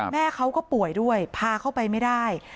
แม่เขาก็ป่วยด้วยพาเข้าไปไม่ได้